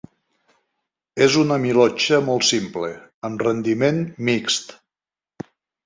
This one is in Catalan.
És una milotxa molt simple, amb rendiment mixt.